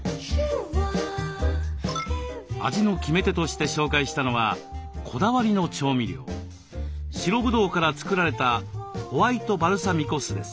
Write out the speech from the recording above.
味の決め手として紹介したのはこだわりの調味料白ブドウから作られたホワイトバルサミコ酢です。